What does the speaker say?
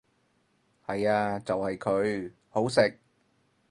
係呀就係佢，好食！